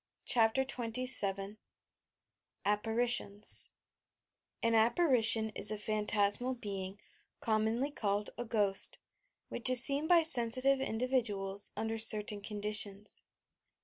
CHAPTER XXVn APPARITIONS I An apparition is a pbaiitasma] being, commonly called a "ghost," which is seen by sensitive individuals under certain conditions.